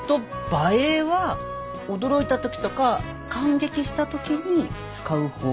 「ばえー！」は驚いた時とか感激した時に使う方言やね。